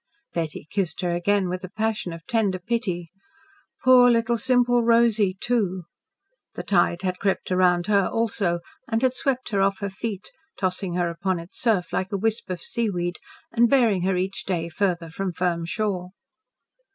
Betty kissed her again with a passion of tender pity. Poor little, simple Rosy, too! The tide had crept around her also, and had swept her off her feet, tossing her upon its surf like a wisp of seaweed and bearing her each day farther from firm shore.